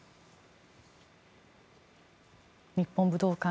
日本武道館